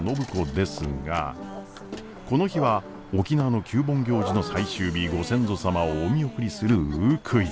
この日は沖縄の旧盆行事の最終日ご先祖様をお見送りするウークイ。